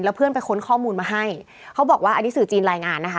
เพื่อนไปค้นข้อมูลมาให้เขาบอกว่าอันนี้สื่อจีนรายงานนะคะ